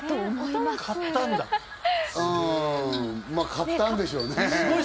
まぁ、買ったんでしょうね。